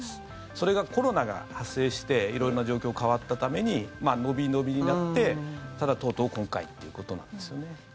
それがコロナが発生して色んな状況、変わったために延び延びになってただ、とうとう今回ということなんですね。